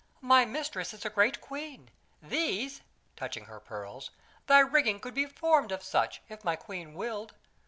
"My mistress is a great queen. These" touching her pearls "thy rigging could be formed of such, if my queen willed."